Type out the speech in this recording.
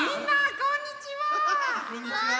こんにちは！